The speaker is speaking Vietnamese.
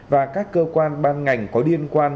và các cơ quan ban ngành có liên quan